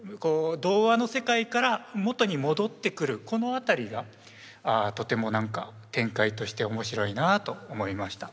童話の世界から元に戻ってくるこの辺りがとても何か展開として面白いなと思いました。